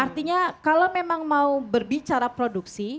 artinya kalau memang mau berbicara produksi